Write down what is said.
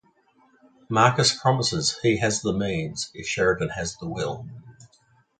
Marcus promises he has the means if Sheridan has the will.